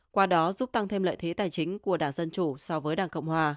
qua đó giúp tăng thêm lợi thế tài chính của đảng dân chủ so với đảng